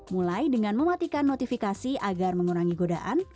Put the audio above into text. mulai dengan mematikan notifikasi agar mengurangi godaan